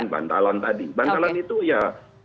bantalan tadi bantalan itu ya